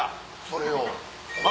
それを。